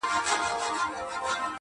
ما یي سرونه تر عزت جارول.!